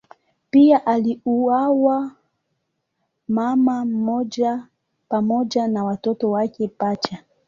Pia aliuawa mama mmoja pamoja na watoto wake pacha.